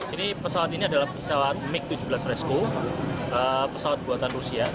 ini pesawat ini adalah pesawat mig tujuh belas resco pesawat buatan rusia